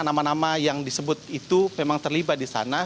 nama nama yang disebut itu memang terlibat di sana